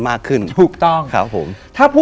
ถึงเรื่องของผีสิ่งลี้ลับ